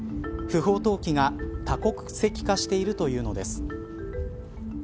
不法投棄が多国籍化しているというのです。